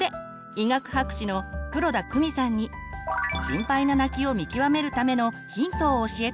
医学博士の黒田公美さんに心配な泣きを見極めるためのヒントを教えてもらいました。